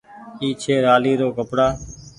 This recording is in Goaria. اي ڇي رآلي رو ڪپڙآ۔